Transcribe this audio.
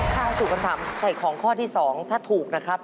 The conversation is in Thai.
เข้าสู่คำถามถ่ายของข้อที่๒ถ้าถูกนะครับ